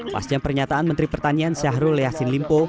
pasca pernyataan menteri pertanian syahrul yassin limpo